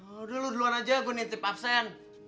udah lu duluan aja gue nitip absen